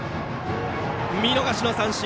見逃し三振。